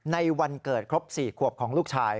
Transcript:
ในวันเกิดครบ๔ขวบของลูกชาย